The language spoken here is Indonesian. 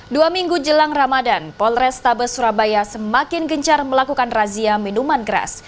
dua minggu jelang ramadan polrestabes surabaya semakin gencar melakukan razia minuman keras